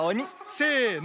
せの。